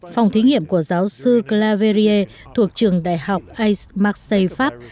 phòng thí nghiệm của giáo sư claverier thuộc trường đại học aix marseille pháp